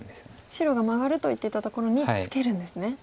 白がマガると言ってたところにツケるんですね。